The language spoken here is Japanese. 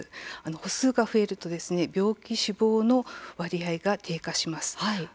歩数が増えると病気、死亡の割合が低下します。